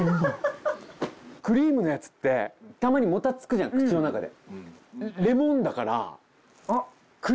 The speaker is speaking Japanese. クリームのやつってたまにもたつくじゃん口の中で。